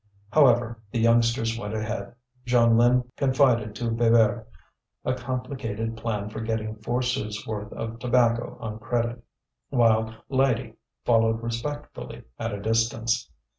However, the youngsters went ahead. Jeanlin confided to Bébert a complicated plan for getting four sous' worth of tobacco on credit, while Lydie followed respectfully at a distance.